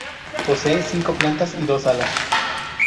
Posee cinco plantas y dos alas.